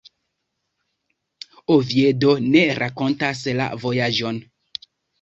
Oviedo ne rakontas la vojaĝon.